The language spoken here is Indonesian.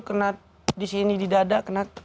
kena di sini di dada kena